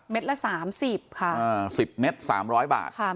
เม็ดละ๓๐ครับ